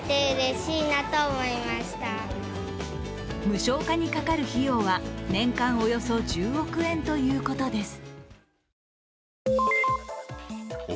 無償化にかかる費用は、年間およそ１０億円ということです。